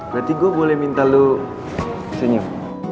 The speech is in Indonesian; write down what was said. berarti gue boleh minta lo senyum